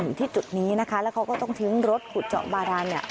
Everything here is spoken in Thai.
อยู่ที่จุดนี้นะคะแล้วเขาก็ต้องทิ้งรถขุดเจาะบารานเนี่ย